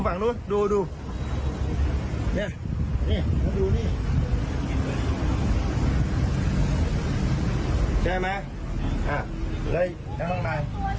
ฝั่งนู้นดูดูเฮะเนี้ยมองดูนี่